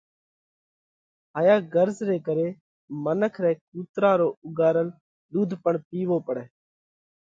هائيا غرض ري ڪري منک رئہ ڪُوترا رو اُوڳارل ۮُوڌ پڻ پِيوو پڙئه۔